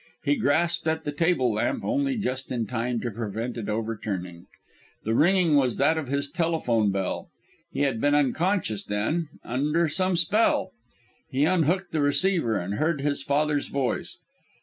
He grasped at the table lamp only just in time to prevent it overturning. The ringing was that of his telephone bell. He had been unconscious, then under some spell! He unhooked the receiver and heard his father's voice.